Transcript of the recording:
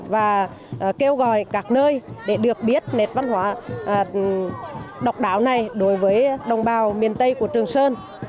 và kêu gọi các nơi để được biết nét văn hóa độc đáo này đối với đồng bào miền tây của trường sơn